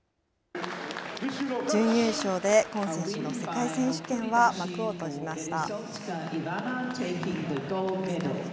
準優勝で今選手の世界選手権は幕を閉じました。